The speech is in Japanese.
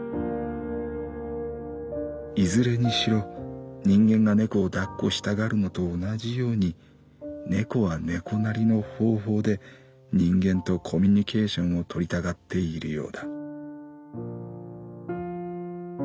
「いずれにしろ人間が猫を抱っこしたがるのと同じように猫は猫なりの方法で人間とコミュニケーションを取りたがっているようだ」。